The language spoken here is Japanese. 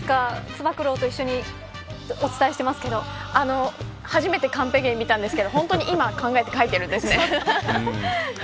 つば九郎と一緒に初めてカンペ芸見たんですが本当に今考えて書いているんですね。